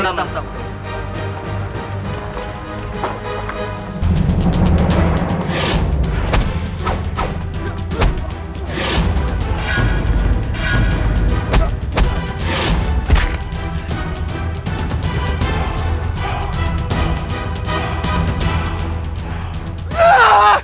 jangan lupa menemani kami